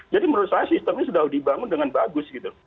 jadi menurut saya sistem ini sudah dibangun dengan bagus gitu